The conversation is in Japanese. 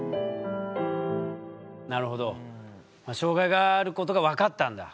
なるほど障害があることが分かったんだ。